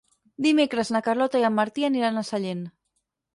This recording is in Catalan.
Dimecres na Carlota i en Martí aniran a Sellent.